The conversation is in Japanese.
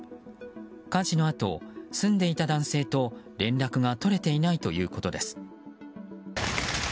火事のあと、住んでいた男性と連絡が取れていないということです。